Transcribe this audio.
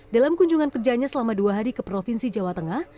dalam kunjungan kerjanya selama dua hari ke provinsi jawa tengah